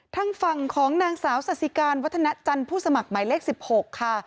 ทางฝั่งของนางสาวสาธิการวัฒนาจันทร์ผู้สมัครหมายเลข๑๖ค่ะ